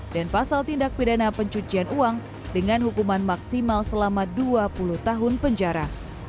dan pasal tindak pidana pencucian uang dengan hukuman maksimal selama dua puluh tahun penjara